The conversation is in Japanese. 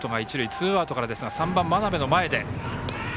ツーアウトからですが３番、真鍋の前で。